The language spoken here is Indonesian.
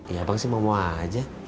iya bang sih mau mau aja